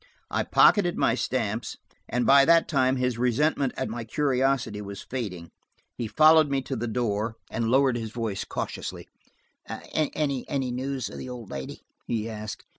I pocketed my stamps, and by that time his resentment at my curiosity was fading. He followed me to the door, and lowered his voice cautiously. "Any news of the old lady?" he asked.